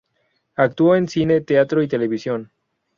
Actúa en cine, teatro y televisión.